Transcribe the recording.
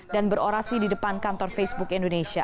dan berorasi di depan kantor facebook indonesia